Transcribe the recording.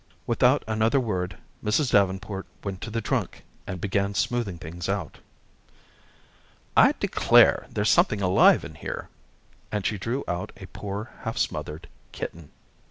Without another word, Mrs. Davenport went to the trunk, and began smoothing things out. "I declare, there's something alive in here," and she drew out a poor, half smothered kitten.